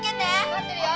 待ってるよ。